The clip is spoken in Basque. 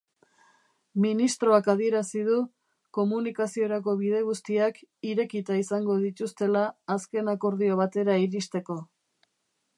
Ministroak adierazi du komunikaziorako bide guztiak irekita izango dituztela azken akordio batera iristeko.